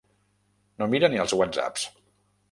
No mira ni els whatsapps.